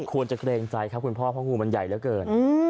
ควรจะเกรงใจครับคุณพ่อเพราะงูมันใหญ่เหลือเกิน